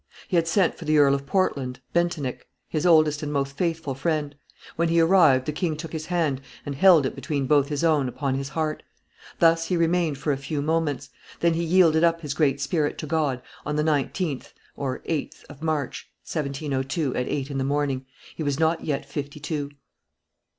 He had sent for the Earl of Portland, Bentinek, his oldest and most faithful friend; when he arrived, the king took his hand and held it between both his own, upon his heart. Thus he remained for a few moments; then he yielded up his great spirit to God, on the 19th (8th) of March, 1702, at eight in the morning. He was not yet fifty two.